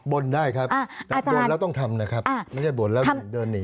บนได้ครับบนแล้วต้องทำนะครับไม่ใช่บ่นแล้วเดินหนี